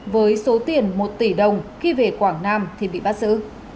với số tiền một tỷ đồng khi về quảng nam thì bị bắt giữ